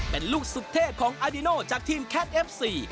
เป็นลูกสุดเท่ของอาดิโนจากทีมแคทเอฟซี